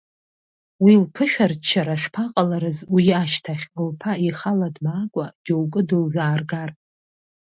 Уи лԥышәырччара шԥаҟаларыз уи ашьҭахь, лԥа ихала дмаакәа џьоукы дылзааргар?!